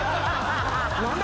何だ⁉